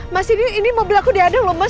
mas ini mobil aku dihadang loh mas